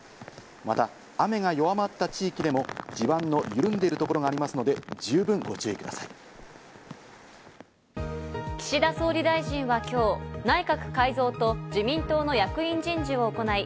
また雨が弱まった地域でも地盤の緩んでいるところがありますので十分ご注意ください。